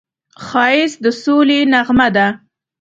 ښایست د سولې نغمه ده